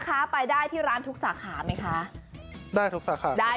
คะไปได้ที่ร้านทุกสาขาไหมคะได้ทุกสาขาได้